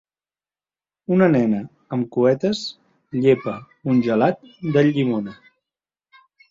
Una nena amb cuetes llepa un gelat de llimona.